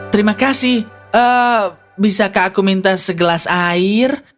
terima kasih bisakah aku minta segelas air